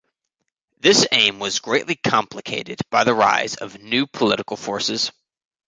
This aim was greatly complicated by the rise of new political forces.